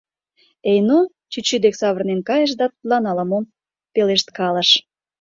Эйно чӱчӱ дек савырнен кайыш да тудлан ала-мом пелешткалыш.